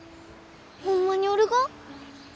ホンマにおるが？